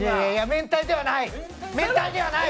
めんたいではない！